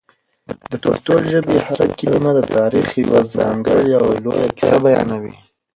د پښتو ژبې هره کلمه د تاریخ یوه ځانګړې او لویه کیسه بیانوي.